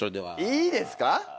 いいですか？